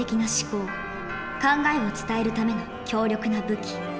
考えを伝えるための強力な武器。